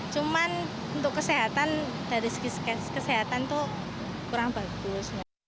cuman untuk kesehatan dari segi kesehatan itu kurang bagus